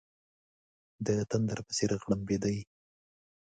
د تندر په څېر غړمبېدی.